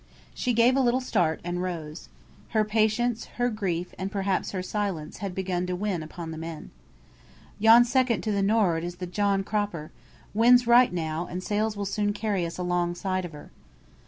She gave a little start, and rose. Her patience, her grief, and perhaps her silence, had begun to win upon the men. "Yon second to the norrard is the John Cropper. Wind's right now, and sails will soon carry us alongside of her."